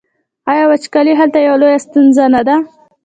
آیا وچکالي هلته یوه لویه ستونزه نه ده؟